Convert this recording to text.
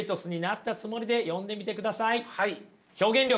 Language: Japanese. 表現力。